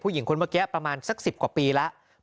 หญิงคนเมื่อกี้ประมาณสัก๑๐กว่าปีแล้ว